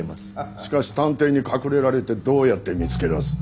しかし探偵に隠れられてどうやって見つけ出す。